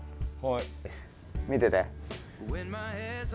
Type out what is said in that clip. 見てて。